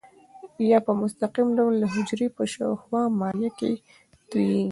یا په مستقیم ډول د حجرې په شاوخوا مایع کې تویېږي.